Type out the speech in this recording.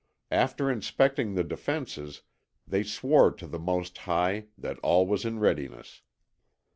After inspecting the defences, they swore to the Most High that all was in readiness.